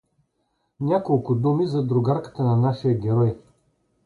Няколко думи за другарката на нашия герой.